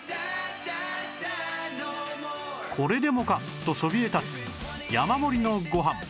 これでもかとそびえ立つ山盛りのご飯